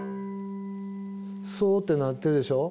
「ソ」って鳴ってるでしょう？